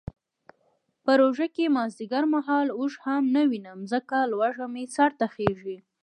په روژه کې مازدیګر مهال اوښ هم نه وینم ځکه لوږه مې سرته خیژي.